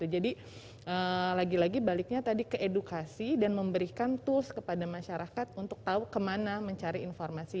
jadi lagi lagi baliknya tadi ke edukasi dan memberikan tools kepada masyarakat untuk tahu kemana mencari informasi